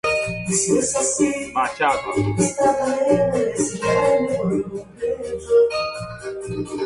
Este campeonato fue el sexto que ganó el Santa Fe.